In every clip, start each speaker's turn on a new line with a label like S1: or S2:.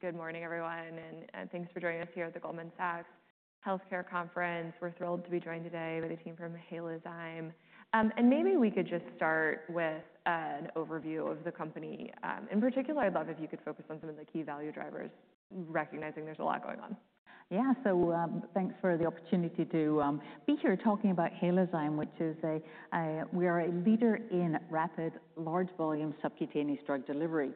S1: Good morning, everyone, and thanks for joining us here at the Goldman Sachs Healthcare Conference. We're thrilled to be joined today by the team from Halozyme. Maybe we could just start with an overview of the company. In particular, I'd love if you could focus on some of the key value drivers, recognizing there's a lot going on.
S2: Yeah, so thanks for the opportunity to be here talking about Halozyme, which is a—we are a leader in rapid, large-volume subcutaneous drug delivery.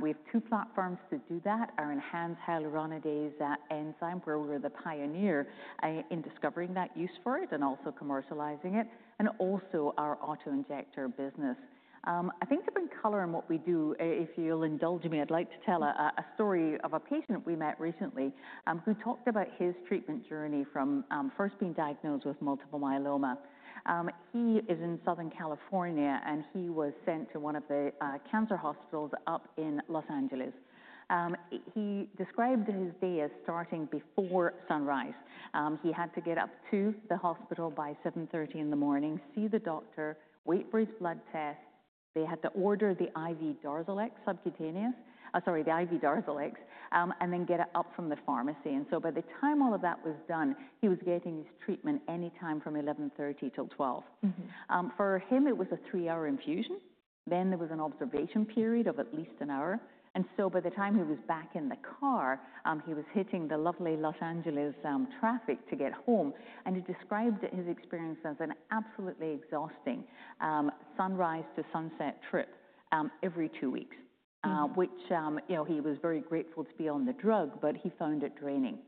S2: We have two platforms to do that: our enhanced hyaluronidase enzyme, where we were the pioneer in discovering that use for it and also commercializing it, and also our autoinjector business. I think to bring color in what we do, if you'll indulge me, I'd like to tell a story of a patient we met recently who talked about his treatment journey from first being diagnosed with multiple myeloma. He is in Southern California, and he was sent to one of the cancer hospitals up in Los Angeles. He described his day as starting before sunrise. He had to get up to the hospital by 7:30 in the morning, see the doctor, wait for his blood test. They had to order the IV DARZALEX and then get it up from the pharmacy. By the time all of that was done, he was getting his treatment anytime from 11:30 A.M. till 12:00 P.M. For him, it was a three-hour infusion. There was an observation period of at least an hour. By the time he was back in the car, he was hitting the lovely Los Angeles traffic to get home. He described his experience as an absolutely exhausting sunrise to sunset trip every two weeks, which he was very grateful to be on the drug, but he found it draining.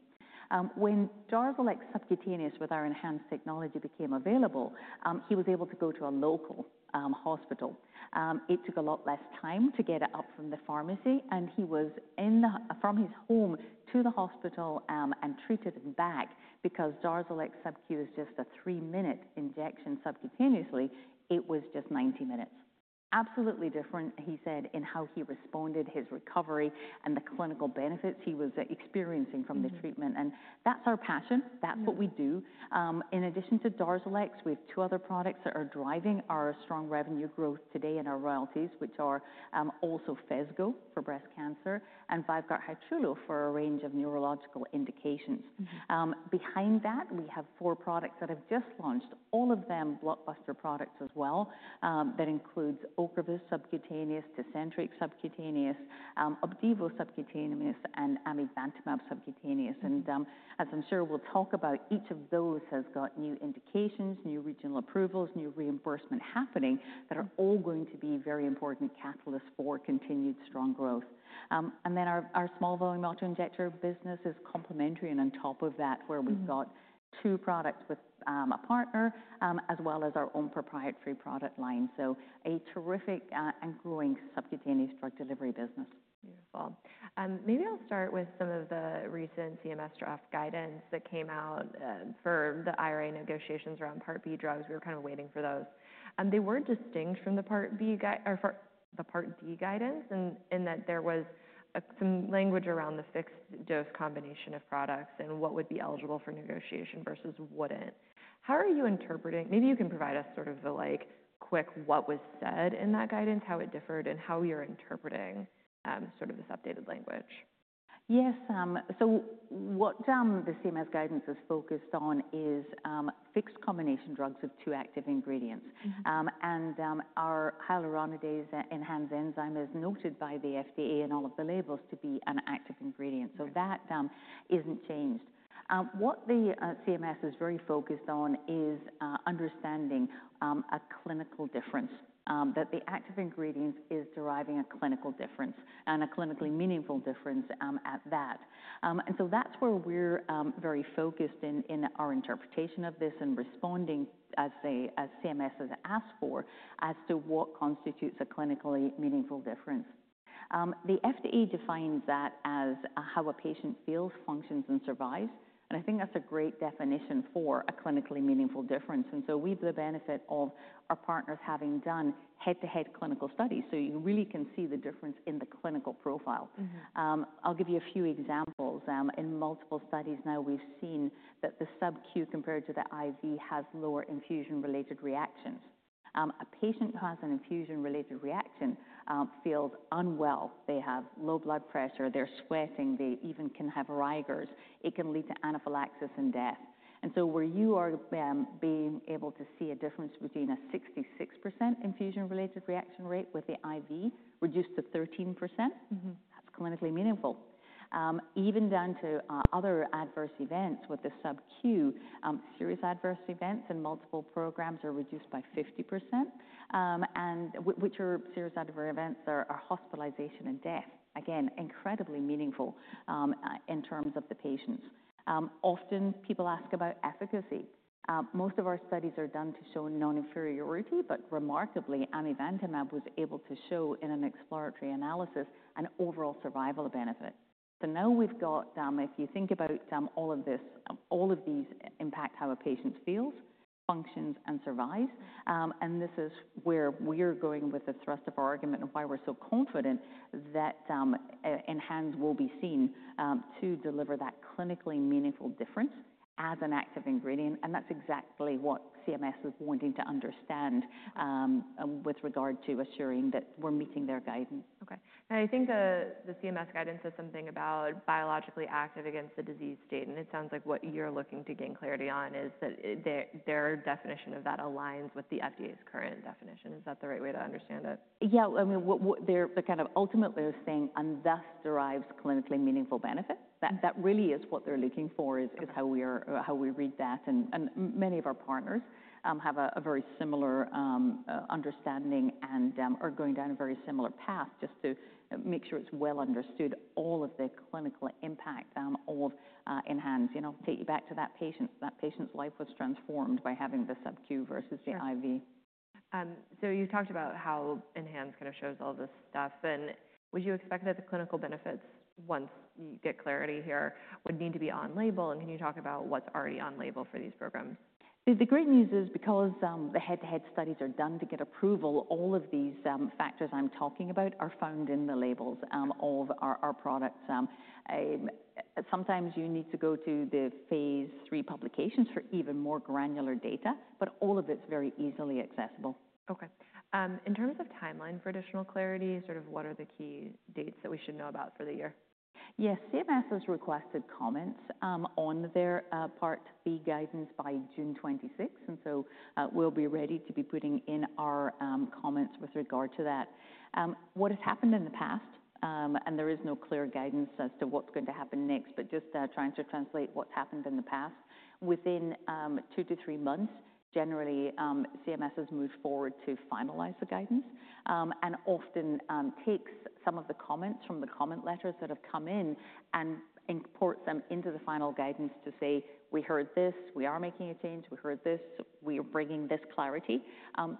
S2: When DARZALEX subcutaneous, with our enhanced technology, became available, he was able to go to a local hospital. It took a lot less time to get it up from the pharmacy, and he was in the—from his home to the hospital and treated and back, because DARZALEX subcutaneous is just a three-minute injection subcutaneously; it was just 90 minutes. Absolutely different, he said, in how he responded, his recovery, and the clinical benefits he was experiencing from the treatment. That is our passion. That is what we do. In addition to DARZALEX, we have two other products that are driving our strong revenue growth today and our royalties, which are also FESGO for breast cancer and VYVGART HYTRULO for a range of neurological indications. Behind that, we have four products that have just launched, all of them blockbuster products as well, that includes OCREVUS subcutaneous, TECENTRIQ subcutaneous, OPDIVO subcutaneous, and AMIVANTAMAB subcutaneous. As I'm sure we'll talk about, each of those has got new indications, new regional approvals, new reimbursement happening that are all going to be very important catalysts for continued strong growth. Our small volume autoinjector business is complementary and on top of that, where we've got two products with a partner, as well as our own proprietary product line. A terrific and growing subcutaneous drug delivery business. Beautiful. Maybe I'll start with some of the recent CMS draft guidance that came out for the IRA negotiations around Part B drugs. We were kind of waiting for those. They were distinct from the Part D guidance, in that there was some language around the fixed dose combination of products and what would be eligible for negotiation versus wouldn't. How are you interpreting—maybe you can provide us sort of the quick what was said in that guidance, how it differed, and how you're interpreting sort of this updated language? Yes. What the CMS guidance is focused on is fixed combination drugs with two active ingredients. Our hyaluronidase enhanced enzyme is noted by the FDA in all of the labels to be an active ingredient. That is not changed. What the CMS is very focused on is understanding a clinical difference, that the active ingredients are deriving a clinical difference and a clinically meaningful difference at that. That is where we are very focused in our interpretation of this and responding, as CMS has asked for, as to what constitutes a clinically meaningful difference. The FDA defines that as how a patient feels, functions, and survives. I think that is a great definition for a clinically meaningful difference. We have the benefit of our partners having done head-to-head clinical studies. You really can see the difference in the clinical profile. I'll give you a few examples. In multiple studies now, we've seen that the subcu compared to the IV has lower infusion-related reactions. A patient who has an infusion-related reaction feels unwell. They have low blood pressure. They're sweating. They even can have rigors. It can lead to anaphylaxis and death. Where you are being able to see a difference between a 66% infusion-related reaction rate with the IV reduced to 13%, that's clinically meaningful. Even down to other adverse events with the subcu, serious adverse events in multiple programs are reduced by 50%, which are serious adverse events that are hospitalization and death. Again, incredibly meaningful in terms of the patients. Often people ask about efficacy. Most of our studies are done to show non-inferiority, but remarkably, AMIVANTAMAB was able to show in an exploratory analysis an overall survival benefit. Now we've got—if you think about all of this, all of these impact how a patient feels, functions, and survives. This is where we're going with the thrust of our argument and why we're so confident that ENHANZE will be seen to deliver that clinically meaningful difference as an active ingredient. That's exactly what CMS is wanting to understand with regard to assuring that we're meeting their guidance. Okay. I think the CMS guidance says something about biologically active against the disease state. It sounds like what you're looking to gain clarity on is that their definition of that aligns with the FDA's current definition. Is that the right way to understand it? Yeah. I mean, they're kind of ultimately saying, and thus derives clinically meaningful benefits. That really is what they're looking for, is how we read that. Many of our partners have a very similar understanding and are going down a very similar path just to make sure it's well understood, all of the clinical impact of ENHANZE. Take you back to that patient. That patient's life was transformed by having the subcu versus the IV. You've talked about how ENHANZE kind of shows all this stuff. Would you expect that the clinical benefits, once you get clarity here, would need to be on label? Can you talk about what's already on label for these programs? The great news is, because the head-to-head studies are done to get approval, all of these factors I'm talking about are found in the labels of our products. Sometimes you need to go to the phase III publications for even more granular data, but all of it's very easily accessible. Okay. In terms of timeline for additional clarity, sort of what are the key dates that we should know about for the year? Yes. CMS has requested comments on their Part B guidance by June 26. We will be ready to be putting in our comments with regard to that. What has happened in the past, and there is no clear guidance as to what is going to happen next, just trying to translate what has happened in the past. Within two to three months, generally, CMS has moved forward to finalize the guidance and often takes some of the comments from the comment letters that have come in and imports them into the final guidance to say, "We heard this. We are making a change. We heard this. We are bringing this clarity."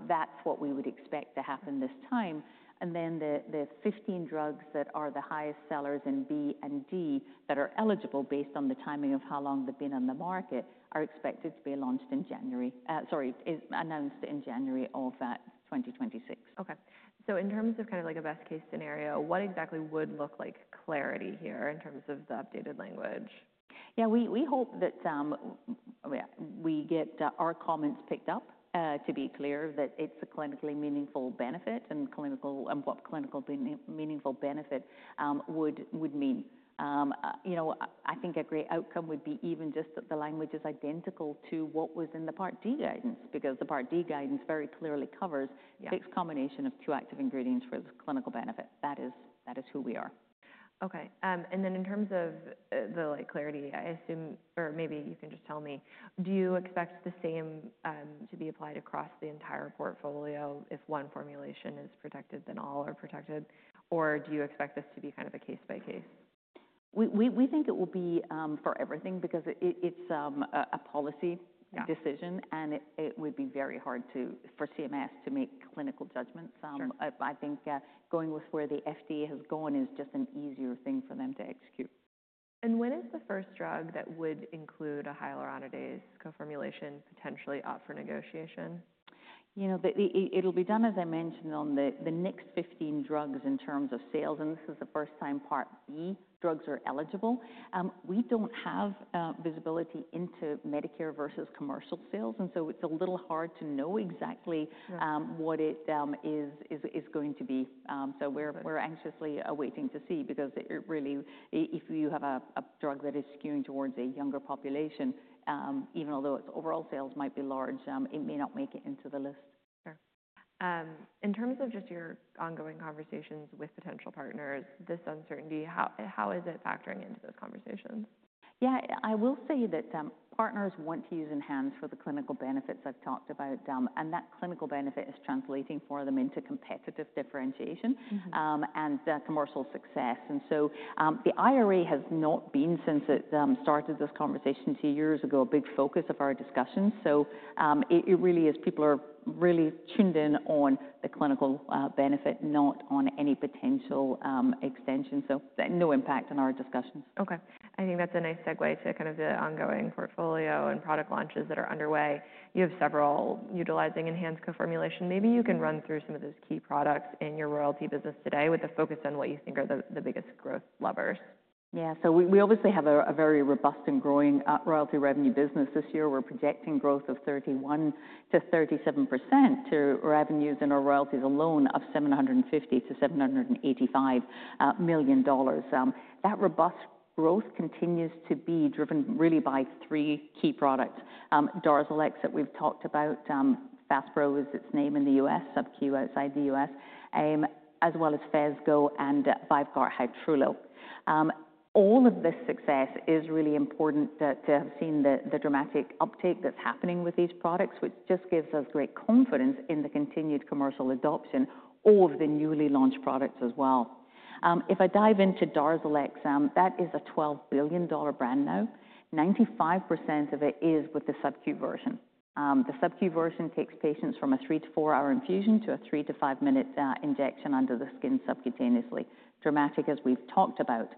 S2: That is what we would expect to happen this time. The 15 drugs that are the highest sellers in B and D that are eligible based on the timing of how long they've been on the market are expected to be announced in January of 2026. Okay. So in terms of kind of like a best-case scenario, what exactly would look like clarity here in terms of the updated language? Yeah. We hope that we get our comments picked up to be clear that it's a clinically meaningful benefit and what clinically meaningful benefit would mean. I think a great outcome would be even just that the language is identical to what was in the Part D guidance, because the Part D guidance very clearly covers fixed combination of two active ingredients for the clinical benefit. That is who we are. Okay. In terms of the clarity, I assume—or maybe you can just tell me—do you expect the same to be applied across the entire portfolio? If one formulation is protected, then all are protected? Or do you expect this to be kind of a case-by-case? We think it will be for everything because it's a policy decision, and it would be very hard for CMS to make clinical judgments. I think going with where the FDA has gone is just an easier thing for them to execute. When is the first drug that would include a hyaluronidase co-formulation potentially up for negotiation? It'll be done, as I mentioned, on the next 15 drugs in terms of sales. This is the first time Part B drugs are eligible. We don't have visibility into Medicare versus commercial sales. It's a little hard to know exactly what it is going to be. We're anxiously awaiting to see because really, if you have a drug that is skewing towards a younger population, even although its overall sales might be large, it may not make it into the list. Sure. In terms of just your ongoing conversations with potential partners, this uncertainty, how is it factoring into those conversations? Yeah. I will say that partners want to use ENHANZE for the clinical benefits I've talked about. That clinical benefit is translating for them into competitive differentiation and commercial success. The IRA has not been, since it started this conversation two years ago, a big focus of our discussions. It really is people are really tuned in on the clinical benefit, not on any potential extension. No impact on our discussions. Okay. I think that's a nice segue to kind of the ongoing portfolio and product launches that are underway. You have several utilizing ENHANZE co-formulation. Maybe you can run through some of those key products in your royalty business today with a focus on what you think are the biggest growth levers. Yeah. So we obviously have a very robust and growing royalty revenue business this year. We're projecting growth of 31%-37% to revenues in our royalties alone of $750 million-$785 million. That robust growth continues to be driven really by three key products: DARZALEX that we've talked about, FASPRO is its name in the U.S., subcu outside the U.S., as well as FESGO and VYVGART HYTRULO. All of this success is really important to have seen the dramatic uptake that's happening with these products, which just gives us great confidence in the continued commercial adoption of the newly launched products as well. If I dive into DARZALEX, that is a $12 billion brand now. 95% of it is with the subcu version. The subcu version takes patients from a three to four-hour infusion to a three to five-minute injection under the skin subcutaneously. Dramatic, as we've talked about.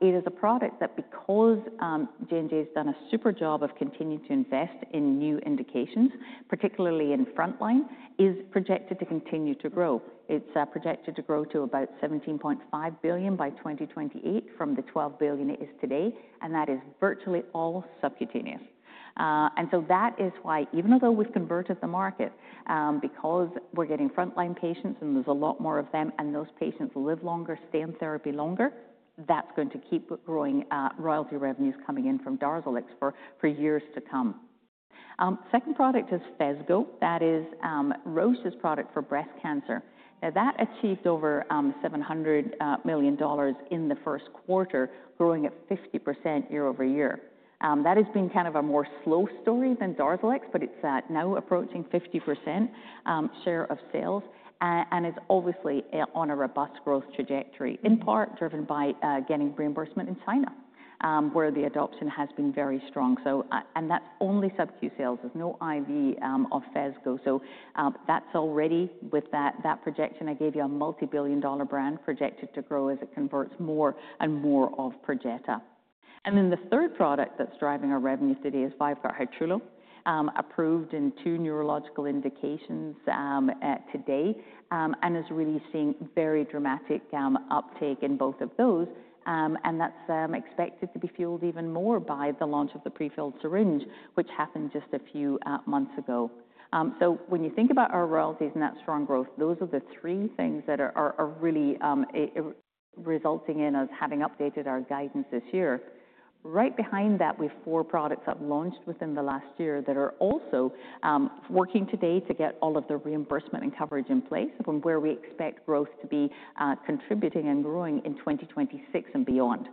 S2: It is a product that, because J&J has done a super job of continuing to invest in new indications, particularly in frontline, is projected to continue to grow. It's projected to grow to about $17.5 billion by 2028 from the $12 billion it is today. That is virtually all subcutaneous. That is why, even though we've converted the market, because we're getting frontline patients and there's a lot more of them, and those patients live longer, stay in therapy longer, that's going to keep growing royalty revenues coming in from DARZALEX for years to come. Second product is FESGO. That is Roche's product for breast cancer. That achieved over $700 million in the first quarter, growing at 50% year-over-year. That has been kind of a more slow story than DARZALEX, but it's now approaching 50% share of sales. It is obviously on a robust growth trajectory, in part driven by getting reimbursement in China, where the adoption has been very strong. That is only subcutaneous sales. There is no IV of FESGO. With that projection, I gave you a multi-billion dollar brand projected to grow as it converts more and more of PERJETA. The third product that is driving our revenue today is VYVGART HYTRULO, approved in two neurological indications today and is really seeing very dramatic uptake in both of those. That is expected to be fueled even more by the launch of the prefilled syringe, which happened just a few months ago. When you think about our royalties and that strong growth, those are the three things that are really resulting in us having updated our guidance this year. Right behind that, we have four products that have launched within the last year that are also working today to get all of the reimbursement and coverage in place from where we expect growth to be contributing and growing in 2026 and beyond.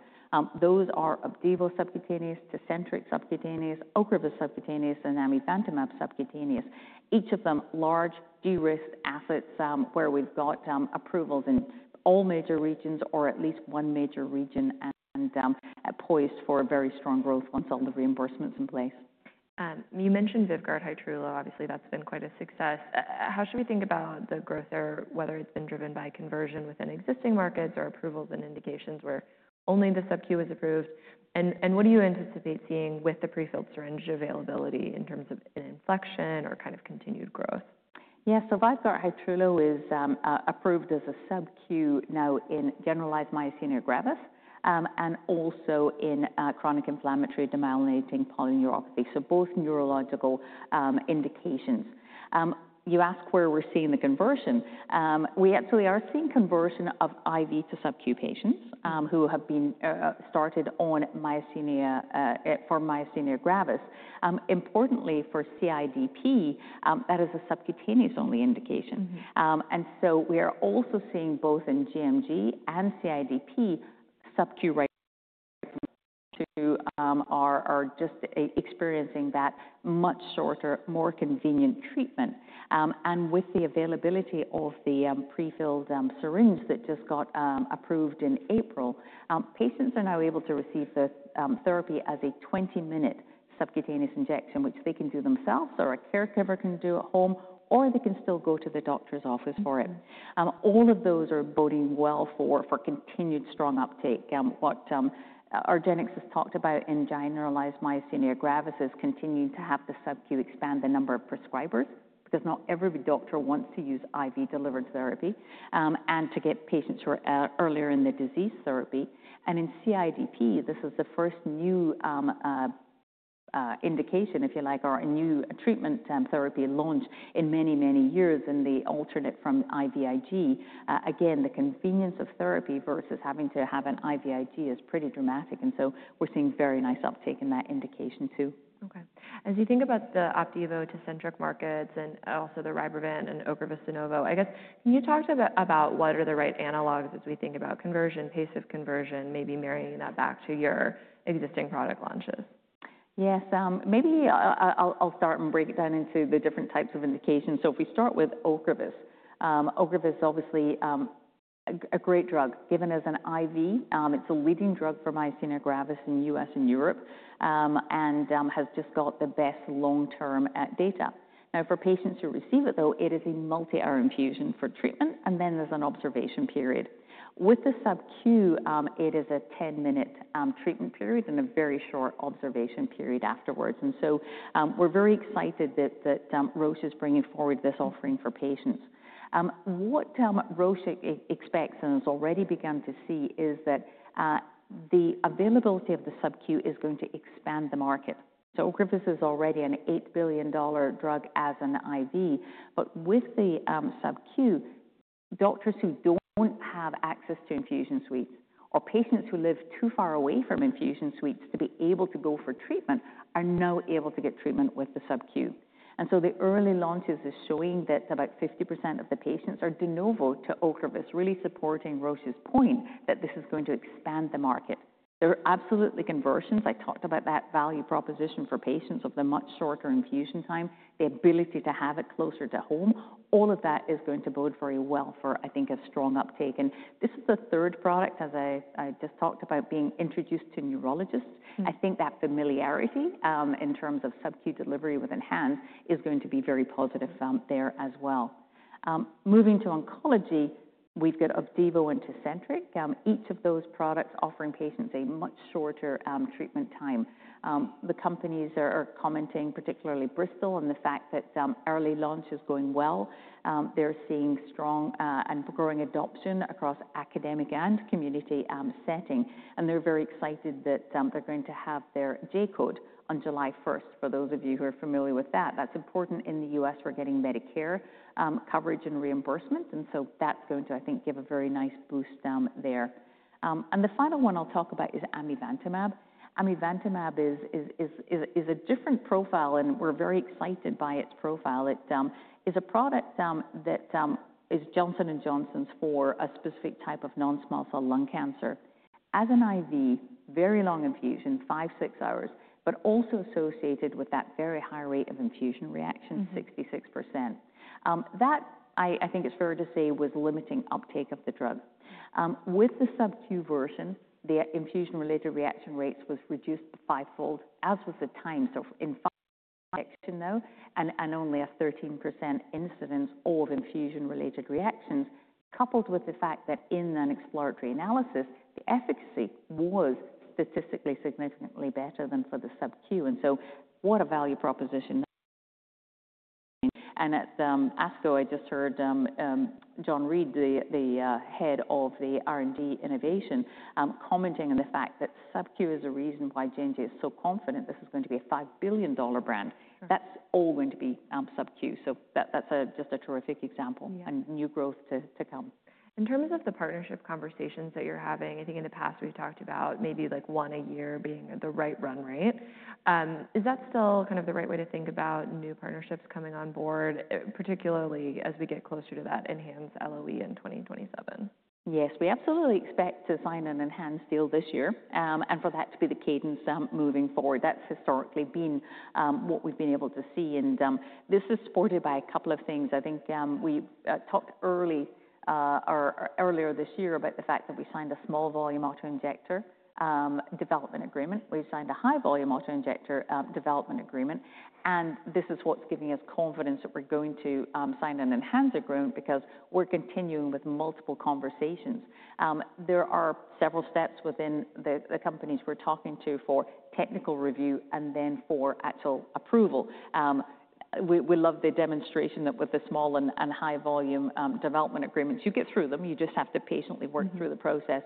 S2: Those are OPDIVO subcutaneous, TECENTRIQ subcutaneous, OCREVUS subcutaneous, and AMIVANTAMAB subcutaneous. Each of them large de-risked assets where we've got approvals in all major regions or at least one major region and poised for very strong growth once all the reimbursements are in place. You mentioned VYVGART HYTRULO. Obviously, that's been quite a success. How should we think about the growth there, whether it's been driven by conversion within existing markets or approvals and indications where only the subcu is approved? What do you anticipate seeing with the prefilled syringe availability in terms of inflection or kind of continued growth? Yeah. So VYVGART HYTRULO is approved as a subcu now in generalized myasthenia gravis and also in chronic inflammatory demyelinating polyneuropathy. So both neurological indications. You ask where we're seeing the conversion. We actually are seeing conversion of IV to subcu patients who have been started on myasthenia for myasthenia gravis. Importantly, for CIDP, that is a subcutaneous-only indication. We are also seeing both in gMG and CIDP subcu right to are just experiencing that much shorter, more convenient treatment. With the availability of the prefilled syringe that just got approved in April, patients are now able to receive the therapy as a 20-minute subcutaneous injection, which they can do themselves or a caregiver can do at home, or they can still go to the doctor's office for it. All of those are boding well for continued strong uptake. What argenx has talked about in generalized myasthenia gravis is continuing to have the subcu expand the number of prescribers because not every doctor wants to use IV-delivered therapy and to get patients who are earlier in the disease therapy. In CIDP, this is the first new indication, if you like, or a new treatment therapy launch in many, many years in the alternate from IVIG. The convenience of therapy versus having to have an IVIG is pretty dramatic. We are seeing very nice uptake in that indication too. Okay. As you think about the OPDIVO, TECENTRIQ markets and also the RYBREVANT and OCREVUS de novo, I guess, can you talk to me about what are the right analogs as we think about conversion, paces of conversion, maybe marrying that back to your existing product launches? Yes. Maybe I'll start and break it down into the different types of indications. If we start with OCREVUS. OCREVUS is obviously a great drug. Given as an IV, it's a leading drug for myasthenia gravis in the U.S. and Europe and has just got the best long-term data. Now, for patients who receive it, though, it is a multi-hour infusion for treatment, and then there's an observation period. With the subcu, it is a 10-minute treatment period and a very short observation period afterwards. We are very excited that Roche is bringing forward this offering for patients. What Roche expects and has already begun to see is that the availability of the subcu is going to expand the market. OCREVUS is already an $8 billion drug as an IV. With the subcu, doctors who do not have access to infusion suites or patients who live too far away from infusion suites to be able to go for treatment are now able to get treatment with the subcu. The early launches are showing that about 50% of the patients are de novo to OCREVUS, really supporting Roche's point that this is going to expand the market. There are absolutely conversions. I talked about that value proposition for patients of the much shorter infusion time, the ability to have it closer to home. All of that is going to bode very well for, I think, a strong uptake. This is the third product, as I just talked about, being introduced to neurologists. I think that familiarity in terms of subcu delivery with ENHANZE is going to be very positive there as well. Moving to oncology, we've got OPDIVO and TECENTRIQ. Each of those products is offering patients a much shorter treatment time. The companies are commenting, particularly Bristol, on the fact that early launch is going well. They're seeing strong and growing adoption across academic and community setting. They're very excited that they're going to have their J code on July 1st. For those of you who are familiar with that, that's important in the U.S. We're getting Medicare coverage and reimbursement. That's going to, I think, give a very nice boost there. The final one I'll talk about is AMIVANTAMAB. AMIVANTAMAB is a different profile, and we're very excited by its profile. It is a product that is Johnson & Johnson's for a specific type of non-small cell lung cancer. As an IV, very long infusion, five, six hours, but also associated with that very high rate of infusion reaction, 66%. That, I think it's fair to say, was limiting uptake of the drug. With the subcu version, the infusion-related reaction rates were reduced fivefold, as was the time. In fine section, though, and only a 13% incidence of infusion-related reactions, coupled with the fact that in an exploratory analysis, the efficacy was statistically significantly better than for the subcu. What a value proposition. At ASCO, I just heard John Reed, the head of the R&D innovation, commenting on the fact that subcu is a reason why J&J is so confident this is going to be a $5 billion brand. That's all going to be subcu. That's just a terrific example and new growth to come. In terms of the partnership conversations that you're having, I think in the past we've talked about maybe like one a year being the right run rate. Is that still kind of the right way to think about new partnerships coming on board, particularly as we get closer to that ENHANZE LOE in 2027? Yes, we absolutely expect to sign an ENHANZE deal this year and for that to be the cadence moving forward. That's historically been what we've been able to see. This is supported by a couple of things. I think we talked earlier this year about the fact that we signed a small volume autoinjector development agreement. We signed a high volume autoinjector development agreement. This is what's giving us confidence that we're going to sign an ENHANZE agreement because we're continuing with multiple conversations. There are several steps within the companies we're talking to for technical review and then for actual approval. We love the demonstration that with the small and high volume development agreements, you get through them. You just have to patiently work through the process.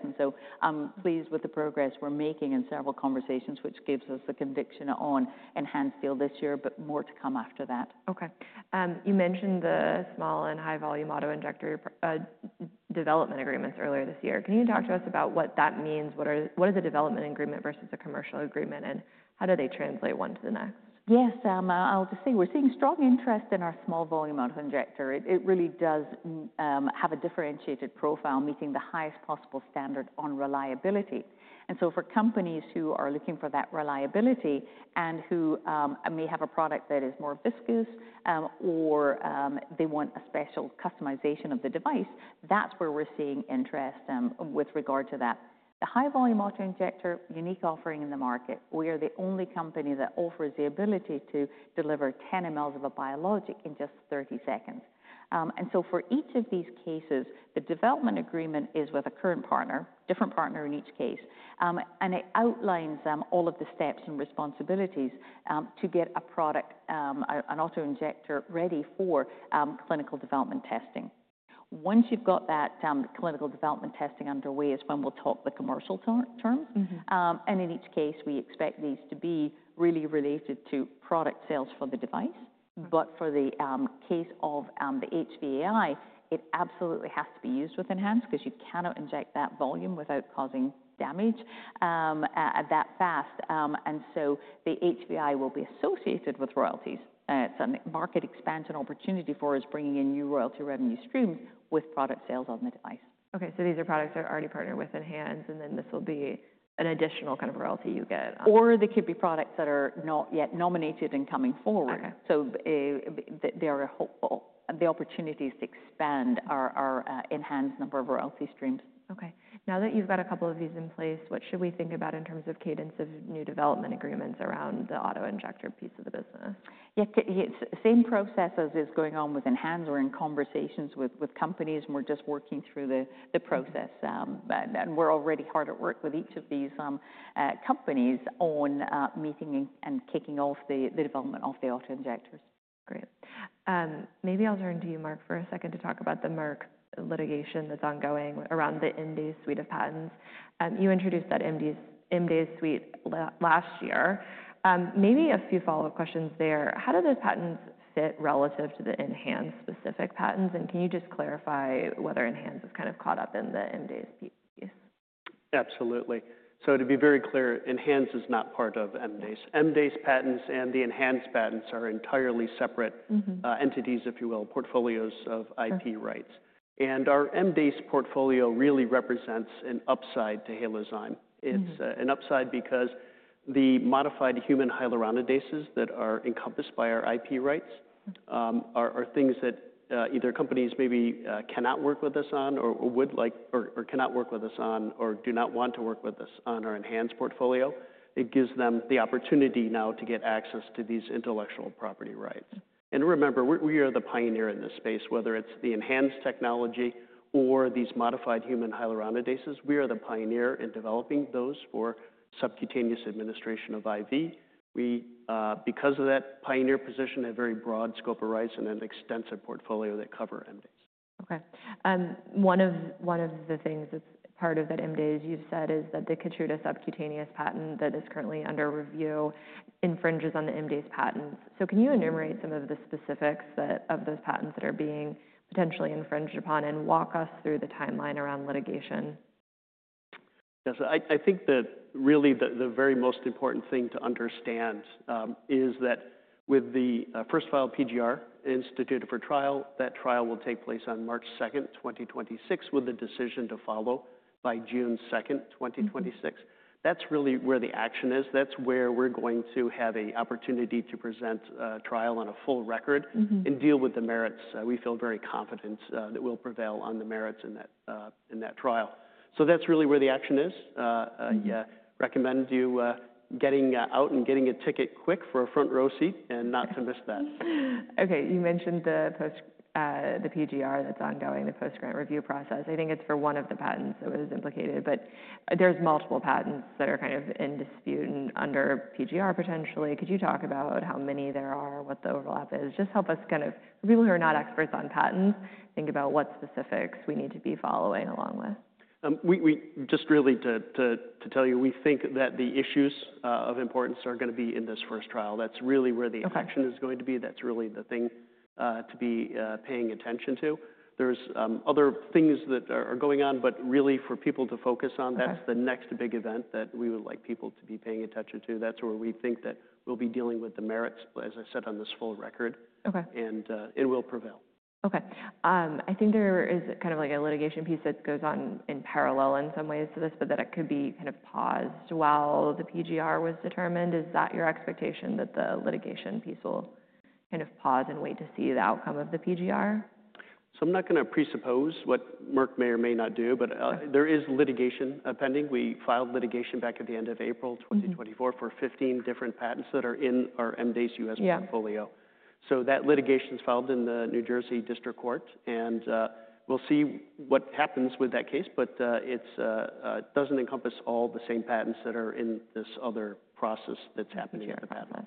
S2: I'm pleased with the progress we're making in several conversations, which gives us the conviction on ENHANZE deal this year, but more to come after that. Okay. You mentioned the small and high volume autoinjector development agreements earlier this year. Can you talk to us about what that means? What is a development agreement versus a commercial agreement, and how do they translate one to the next? Yes, I'll just say we're seeing strong interest in our small volume autoinjector. It really does have a differentiated profile, meeting the highest possible standard on reliability. For companies who are looking for that reliability and who may have a product that is more viscous or they want a special customization of the device, that's where we're seeing interest with regard to that. The high volume autoinjector is a unique offering in the market. We are the only company that offers the ability to deliver 10 mL of a biologic in just 30 seconds. For each of these cases, the development agreement is with a current partner, a different partner in each case. It outlines all of the steps and responsibilities to get a product, an autoinjector, ready for clinical development testing. Once you've got that clinical development testing underway is when we'll talk the commercial terms. In each case, we expect these to be really related to product sales for the device. For the case of the HVAI, it absolutely has to be used with ENHANZE because you cannot inject that volume without causing damage that fast. The HVAI will be associated with royalties. It is a market expansion opportunity for us, bringing in new royalty revenue streams with product sales on the device. Okay. So these are products that are already partnered with ENHANZE, and then this will be an additional kind of royalty you get. There could be products that are not yet nominated and coming forward. There are the opportunities to expand our ENHANZE number of royalty streams. Okay. Now that you've got a couple of these in place, what should we think about in terms of cadence of new development agreements around the autoinjector piece of the business? Yeah. Same process as is going on with ENHANZE. We're in conversations with companies, and we're just working through the process. We're already hard at work with each of these companies on meeting and kicking off the development of the autoinjectors. Great. Maybe I'll turn to you, Mark, for a second to talk about the Merck litigation that's ongoing around the MDASE suite of patents. You introduced that MDASE suite last year. Maybe a few follow-up questions there. How do those patents fit relative to the ENHANZE specific patents? And can you just clarify whether ENHANZE is kind of caught up in the MDASE's piece?
S3: Absolutely. To be very clear, ENHANZE is not part of MDASE. MDASE patents and the ENHANZE patents are entirely separate entities, if you will, portfolios of IP rights. Our MDASE portfolio really represents an upside to Halozyme. It's an upside because the modified human hyaluronidases that are encompassed by our IP rights are things that either companies maybe cannot work with us on or would like or cannot work with us on or do not want to work with us on our ENHANZE portfolio. It gives them the opportunity now to get access to these intellectual property rights. Remember, we are the pioneer in this space, whether it's the ENHANZE technology or these modified human hyaluronidases. We are the pioneer in developing those for subcutaneous administration of IV. We, because of that pioneer position, have a very broad scope of rights and an extensive portfolio that cover MDASE. Okay. One of the things that's part of that MDASE, you've said, is that the KEYTRUDA subcutaneous patent that is currently under review infringes on the MDASE patents. So can you enumerate some of the specifics of those patents that are being potentially infringed upon and walk us through the timeline around litigation? Yes. I think that really the very most important thing to understand is that with the first file PGR instituted for trial, that trial will take place on March 2nd, 2026, with a decision to follow by June 2nd, 2026. That's really where the action is. That's where we're going to have an opportunity to present trial on a full record and deal with the merits. We feel very confident that we'll prevail on the merits in that trial. That's really where the action is. I recommend you getting out and getting a ticket quick for a front row seat and not to miss that. Okay. You mentioned the PGR that's ongoing, the post-grant review process. I think it's for one of the patents that was implicated, but there's multiple patents that are kind of in dispute and under PGR potentially. Could you talk about how many there are, what the overlap is? Just help us kind of for people who are not experts on patents, think about what specifics we need to be following along with. Just really to tell you, we think that the issues of importance are going to be in this first trial. That's really where the action is going to be. That's really the thing to be paying attention to. There are other things that are going on, but really for people to focus on, that's the next big event that we would like people to be paying attention to. That's where we think that we'll be dealing with the merits, as I said, on this full record, and we'll prevail. Okay. I think there is kind of like a litigation piece that goes on in parallel in some ways to this, but that it could be kind of paused while the PGR was determined. Is that your expectation that the litigation piece will kind of pause and wait to see the outcome of the PGR? I'm not going to presuppose what Merck may or may not do, but there is litigation pending. We filed litigation back at the end of April 2024 for 15 different patents that are in our MDASE U.S. portfolio. That litigation is filed in the New Jersey District Court, and we'll see what happens with that case, but it doesn't encompass all the same patents that are in this other process that's happening at the patent office.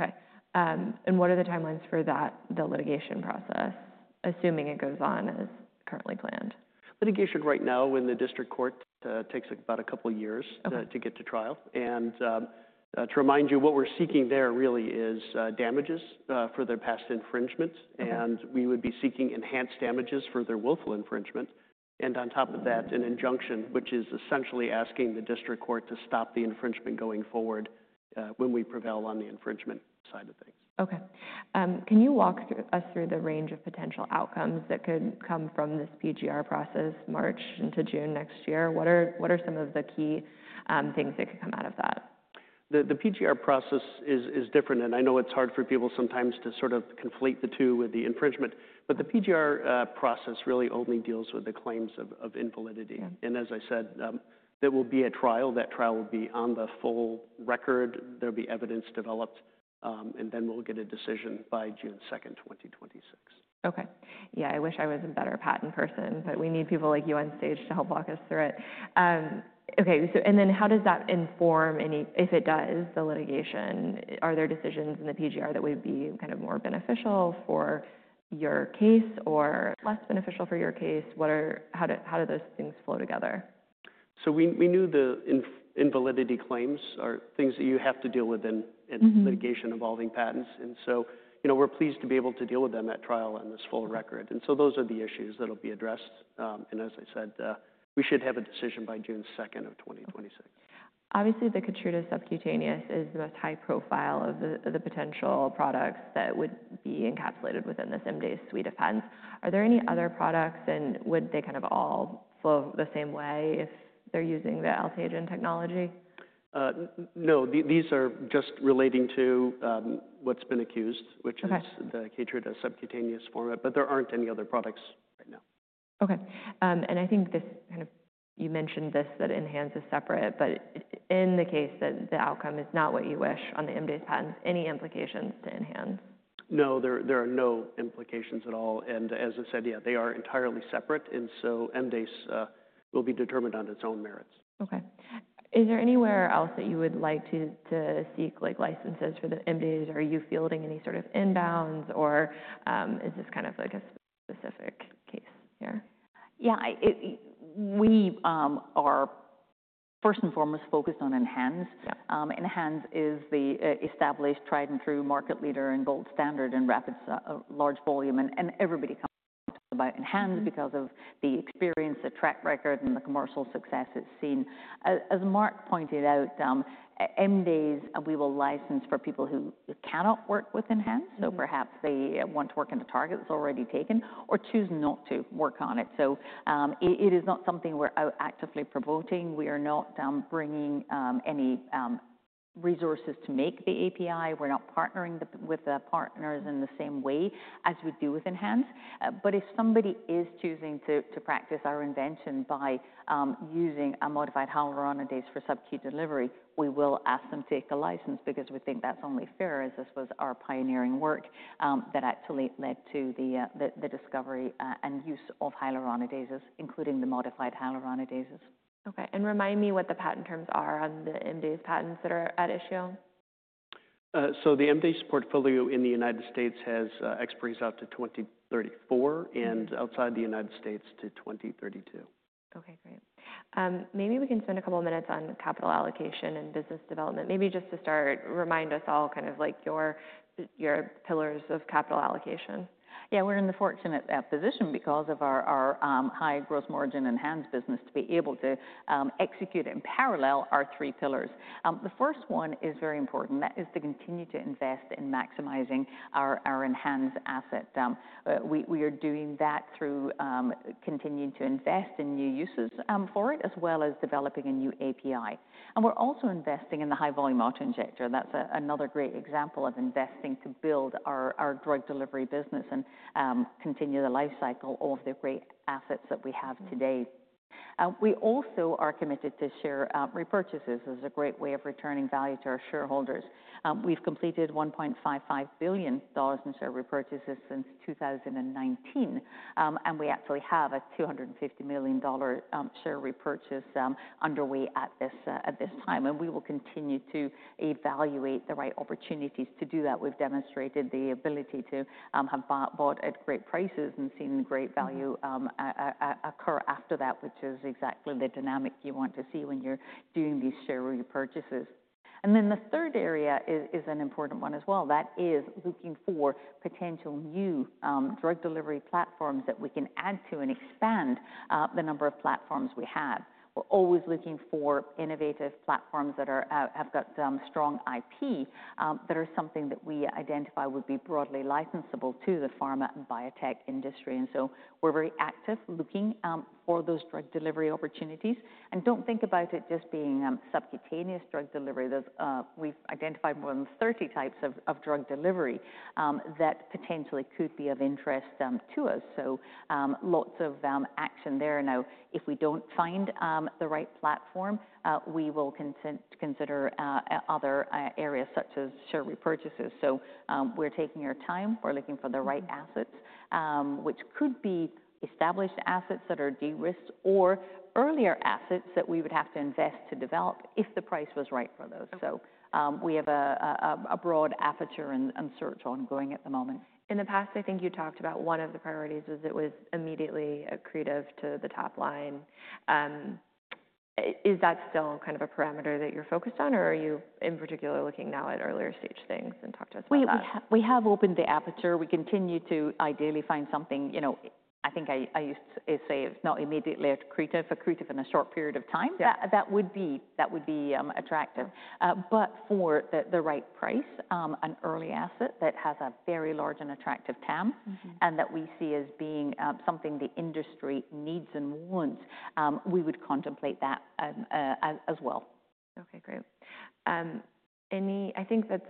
S3: Okay. What are the timelines for the litigation process, assuming it goes on as currently planned? Litigation right now in the district court takes about a couple of years to get to trial. To remind you, what we're seeking there really is damages for their past infringement. We would be seeking enhanced damages for their willful infringement. On top of that, an injunction, which is essentially asking the district court to stop the infringement going forward when we prevail on the infringement side of things. Okay. Can you walk us through the range of potential outcomes that could come from this PGR process March into June next year? What are some of the key things that could come out of that? The PGR process is different, and I know it's hard for people sometimes to sort of conflate the two with the infringement, but the PGR process really only deals with the claims of invalidity. As I said, there will be a trial. That trial will be on the full record. There'll be evidence developed, and then we'll get a decision by June 2nd, 2026. Okay. Yeah, I wish I was a better patent person, but we need people like you on stage to help walk us through it. Okay. Then how does that inform, if it does, the litigation? Are there decisions in the PGR that would be kind of more beneficial for your case or less beneficial for your case? How do those things flow together? We knew the invalidity claims are things that you have to deal with in litigation involving patents. We are pleased to be able to deal with them at trial on this full record. Those are the issues that'll be addressed. As I said, we should have a decision by June 2nd, 2026. Obviously, the KEYTRUDA subcutaneous is the most high profile of the potential products that would be encapsulated within this MDASE suite of patents. Are there any other products, and would they kind of all flow the same way if they're using the Altagen technology? No, these are just relating to what's been accused, which is the KEYTRUDA subcutaneous format, but there aren't any other products right now. Okay. I think you mentioned this, that ENHANZE is separate, but in the case that the outcome is not what you wish on the MDASE patents, any implications to ENHANZE? No, there are no implications at all. As I said, yeah, they are entirely separate. MDASE will be determined on its own merits. Okay. Is there anywhere else that you would like to seek licenses for the MDASE, or are you fielding any sort of inbounds, or is this kind of like a specific case here?
S2: Yeah. We are first and foremost focused on ENHANZE. ENHANZE is the established tried-and-true market leader and gold standard in rapid large volume. And everybody talks about ENHANZE because of the experience, the track record, and the commercial success it's seen. As Mark pointed out, MDASE, we will license for people who cannot work with ENHANZE. So perhaps they want to work in a target that's already taken or choose not to work on it. So it is not something we're actively promoting. We are not bringing any resources to make the API. We're not partnering with the partners in the same way as we do with ENHANZE. If somebody is choosing to practice our invention by using a modified hyaluronidase for subcu delivery, we will ask them to take a license because we think that's only fair as this was our pioneering work that actually led to the discovery and use of hyaluronidases, including the modified hyaluronidases. Okay. Remind me what the patent terms are on the MDASE patents that are at issue.
S3: The MDASE portfolio in the U.S. has expiries out to 2034 and outside the U.S. to 2032. Okay. Great. Maybe we can spend a couple of minutes on capital allocation and business development. Maybe just to start, remind us all kind of like your pillars of capital allocation.
S2: Yeah. We're in the fortunate position because of our high gross margin ENHANZE business to be able to execute in parallel our three pillars. The first one is very important. That is to continue to invest in maximizing our ENHANZE asset. We are doing that through continuing to invest in new uses for it, as well as developing a new API. We're also investing in the high volume autoinjector. That's another great example of investing to build our drug delivery business and continue the lifecycle of the great assets that we have today. We also are committed to share repurchases as a great way of returning value to our shareholders. We've completed $1.55 billion in share repurchases since 2019, and we actually have a $250 million share repurchase underway at this time. We will continue to evaluate the right opportunities to do that. We've demonstrated the ability to have bought at great prices and seen great value occur after that, which is exactly the dynamic you want to see when you're doing these share repurchases. The third area is an important one as well. That is looking for potential new drug delivery platforms that we can add to and expand the number of platforms we have. We're always looking for innovative platforms that have got strong IP that are something that we identify would be broadly licensable to the pharma and biotech industry. We are very active looking for those drug delivery opportunities and do not think about it just being subcutaneous drug delivery. We've identified more than 30 types of drug delivery that potentially could be of interest to us. Lots of action there. Now, if we don't find the right platform, we will consider other areas such as share repurchases. We're taking our time. We're looking for the right assets, which could be established assets that are de-risked or earlier assets that we would have to invest to develop if the price was right for those. We have a broad aperture and search ongoing at the moment. In the past, I think you talked about one of the priorities was it was immediately accretive to the top line. Is that still kind of a parameter that you're focused on, or are you in particular looking now at earlier stage things and talk to us about that? We have opened the aperture. We continue to ideally find something. I think I used to say it's not immediately accretive or accretive in a short period of time. That would be attractive. For the right price, an early asset that has a very large and attractive TAM and that we see as being something the industry needs and wants, we would contemplate that as well. Okay. Great. I think that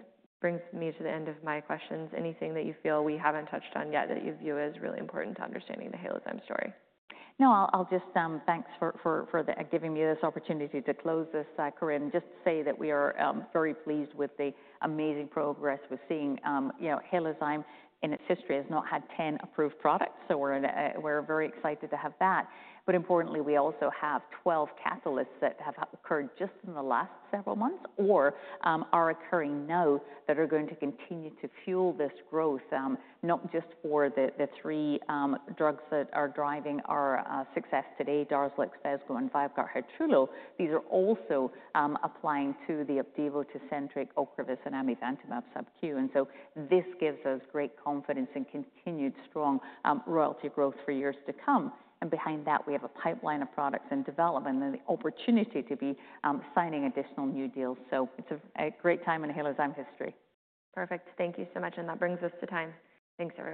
S2: brings me to the end of my questions. Anything that you feel we haven't touched on yet that you view as really important to understanding the Halozyme story? No, I'll just thanks for giving me this opportunity to close this career and just say that we are very pleased with the amazing progress we're seeing. Halozyme, in its history, has not had 10 approved products, so we're very excited to have that. Importantly, we also have 12 catalysts that have occurred just in the last several months or are occurring now that are going to continue to fuel this growth, not just for the three drugs that are driving our success today, DARZALEX, FESGO, and VYVGART HYTRULO. These are also applying to the OPDIVO, TECENTRIQ, OCREVUS, and AMIVANTAMAB subcutaneous. This gives us great confidence in continued strong royalty growth for years to come. Behind that, we have a pipeline of products in development and the opportunity to be signing additional new deals. It is a great time in Halozyme history. Perfect. Thank you so much. That brings us to time. Thanks everyone.